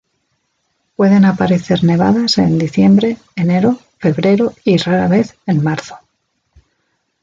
Pueden aparecer nevadas en diciembre, enero, febrero y, rara vez, en marzo.